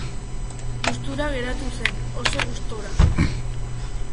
Gustura geratuko zen, oso gustura.